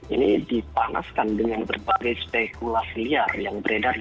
ini dipanaskan dengan berbagai spekulasi liar yang beredar